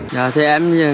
thưa em công nhân địa phương